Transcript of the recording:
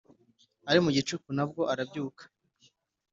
Ari mu gicuku nabwo arabyuka